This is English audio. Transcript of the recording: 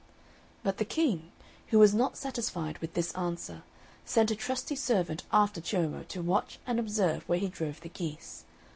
But the King, who was not satisfied with this answer, sent a trusty servant after Ciommo to watch and observe where he drove the geese.